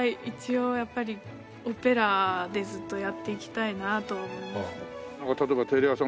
一応やっぱりオペラでずっとやっていきたいなと思いますね。